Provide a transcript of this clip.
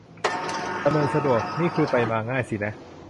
ดำเนินสะดวก นี่คือไปมาง่ายสินะ